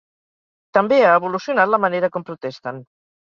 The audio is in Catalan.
També ha evolucionat la manera com protesten.